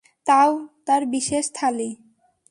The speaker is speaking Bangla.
দাও, তার বিশেষ থালি।